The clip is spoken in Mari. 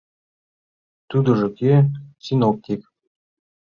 — Тудыжо кӧ — синоптик?